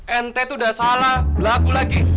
ente tuh udah salah berlaku lagi